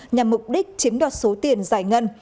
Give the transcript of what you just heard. nhằm mục đích chiếm đoạt số tiền giải ngân